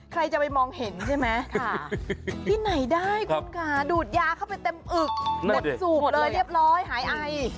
ใครจะไปมองเห็นใช่ไหมค่ะที่ไหนได้คุณค่ะดูดยาเข้าไปเต็มอึกเต็มสูบเลยเรียบร้อยหายไอ